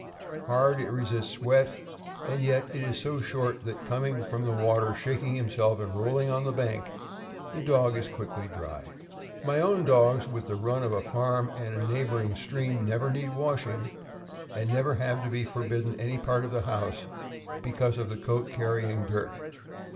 Hard, it resists wet, and yet is so short that, coming from the water, shaking himself, and rolling on the bank, the dog is quickly dry. My own dogs, with the run of a farm and neighboring stream, never need washing, and never have to be forbidden any part of the house because of the coat carrying dirt.